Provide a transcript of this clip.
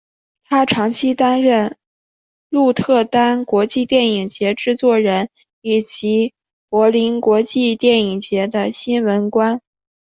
他长期担任鹿特丹国际电影节制作人以及柏林国际电影节的新闻官。